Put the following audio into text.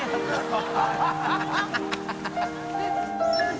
ハハハ